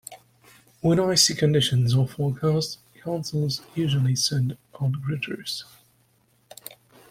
When icy conditions are forecast, councils usually send out gritters.